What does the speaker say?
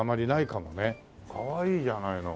かわいいじゃないの。